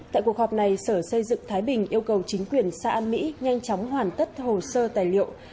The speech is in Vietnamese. tại cuộc họp này sở xây dựng thái bình yêu cầu chính quyền xã an mỹ nhanh chóng hoàn tất hồ sơ tài liệu